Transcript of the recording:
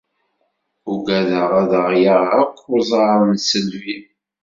Ugadeɣ ad aɣ-yaɣ akk uẓar n tisselbi!